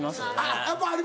やっぱあります？